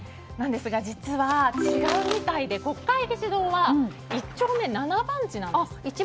ですが実は違うみたいで国会議事堂は１丁目７番地なんです。